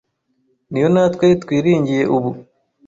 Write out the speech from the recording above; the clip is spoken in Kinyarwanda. niyo natwe twiringiye ubu